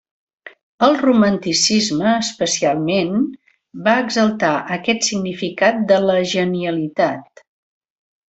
El romanticisme, especialment, va exaltar aquest significat de la genialitat.